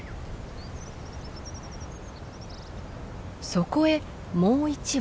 そこへもう１羽。